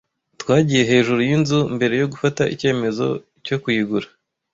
Twagiye hejuru yinzu mbere yo gufata icyemezo cyo kuyigura.